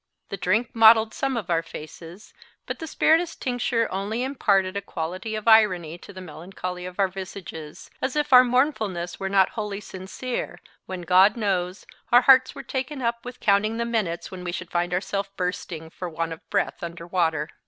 The drink mottled some of our faces, but the spirituous tincture only imparted a quality of irony to the melancholy of our visages, as if our mournfulness were not wholly sincere, when, God knows, our hearts were taken up with counting the minutes when we should find ourselves bursting for want of breath under water.